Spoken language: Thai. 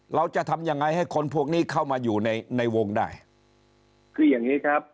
เราจะทำยังไงให้คนพวกนี้เข้ามาอยู่ในในวงได้คืออย่างงี้ครับ